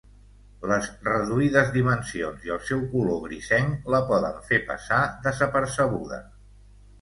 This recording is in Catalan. Les reduïdes dimensions i el seu color grisenc la poden fer passar desapercebuda.